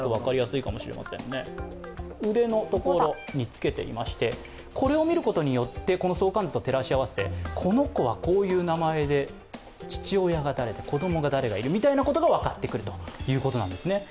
腕のところにつけていましてこれを見ることによって相関図と照らし合わせて、この子はこういう名前で、父親が誰で、子供が誰がいるということが分かってくるということなんですね。